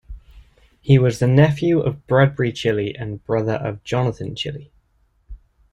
He was the nephew of Bradbury Cilley and brother of Jonathan Cilley.